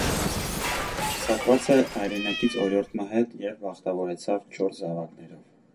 Պսակուած է հայրենակից օրիորդի մը հետ եւ բախտաւորուեցաւ չորս զաւակներով։